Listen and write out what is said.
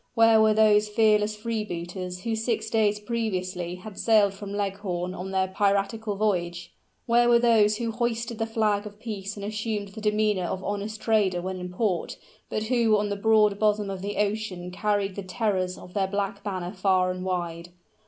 where were those fearless freebooters who six days previously had sailed from Leghorn on their piratical voyage? where were those who hoisted the flag of peace and assumed the demeanor of honest trader when in port, but who on the broad bosom of the ocean carried the terrors of their black banner far and wide?